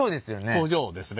工場ですね